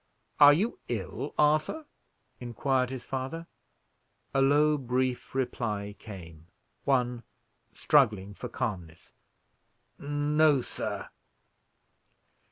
"Are you ill, Arthur?" inquired his father. A low brief reply came; one struggling for calmness. "No, sir."